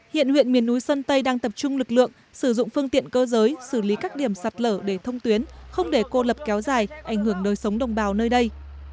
hiện huyện miền núi sơn tây đang tập trung lực lượng sử dụng phương tiện cơ giới xử lý các điểm sạt lở để thông tuyến không để cô lập kéo dài ảnh hưởng đời sống đồng bào nơi đây